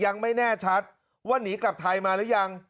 ยังไม่แน่ชัดว่าหนีกลับไทยมาหรือยัง